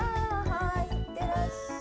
はいいってらっしゃい。